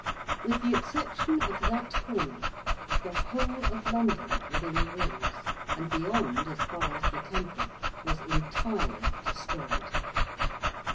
With the exception of that corner the whole of London within the walls, and beyond as far as the Temple, was entirely destroyed.